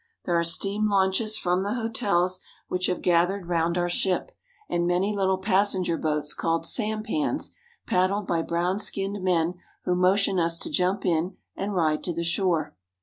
There are steam launches from the hotels, which have gathered round our ship ; and many little passenger boats called sampans paddled by brown skinned men who motion us to jump in and ride to the shore.